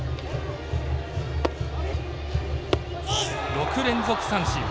６連続三振。